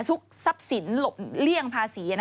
ซุกทรัพย์สินหลบเลี่ยงภาษี